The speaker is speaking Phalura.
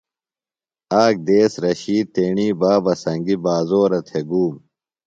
آک دیس رشید تیݨی بابہ سنگی بازورہ تھےۡ گُوم۔